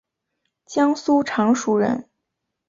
江苏常熟人。